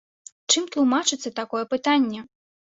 Чым тлумачыцца такое пытанне?